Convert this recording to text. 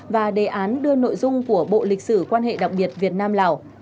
và đề án đưa nội dung của bộ lịch sử quan hệ đặc biệt việt nam lào